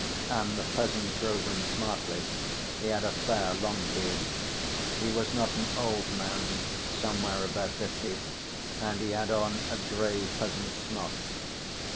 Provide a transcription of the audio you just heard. And the peasant drove him smartly, he had a fair, long beard. He was not an old man, somewhere about fifty, and he had on a gray peasant's smock.